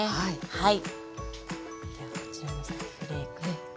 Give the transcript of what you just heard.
はい。